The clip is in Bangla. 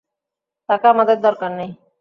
তাকে আমাদের দরকার নেই।